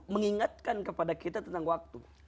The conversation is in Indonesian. mengingatkan kepada kita tentang waktu